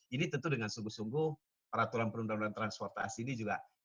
ini tentu dengan sungguh sungguh peraturan perundang undangan transportasi ini juga